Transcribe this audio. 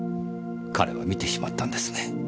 彼は見てしまったんですね。